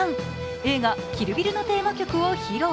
映画「キル・ビル」のテーマ曲を披露。